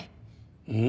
うん？